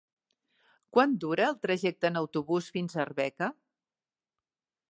Quant dura el trajecte en autobús fins a Arbeca?